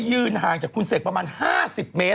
ต้องมองทำไม